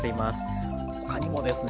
ほかにもですね